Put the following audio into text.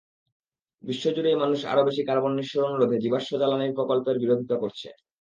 বিশ্বজুড়েই মানুষ আরও বেশি কার্বন নিঃসরণ রোধে জীবাশ্ম জ্বালানির প্রকল্পের বিরোধিতা করছে।